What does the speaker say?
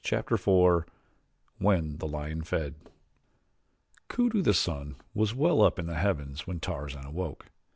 Chapter IV When the Lion Fed Kudu, the sun, was well up in the heavens when Tarzan awoke.